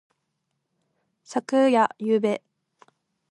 昨夜。ゆうべ。